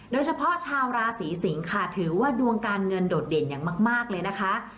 โดยเฉพาะชาวราศีสิงค่ะถือว่าดวงการเงินโดดเด่นอย่างมากเลยนะคะ